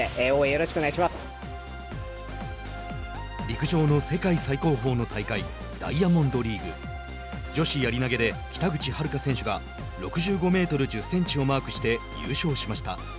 陸上の世界最高峰の大会ダイヤモンドリーグ。女子やり投げで北口榛花選手が６５メートル１０センチをマークして優勝しました。